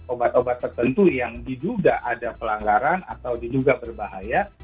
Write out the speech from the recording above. obat obat tertentu yang diduga ada pelanggaran atau diduga berbahaya